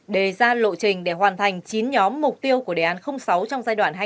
đề ra lộ trình để hoàn thành chín nhóm mục tiêu của đề án sáu trong giai đoạn hai nghìn hai mươi ba